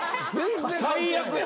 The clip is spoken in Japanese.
最悪や。